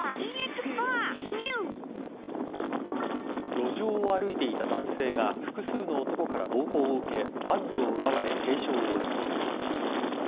路上を歩いていた男性が複数の男から暴行を受けバッグを奪われ軽傷を負いました。